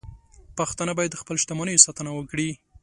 پښتانه باید د خپلو شتمنیو ساتنه وکړي.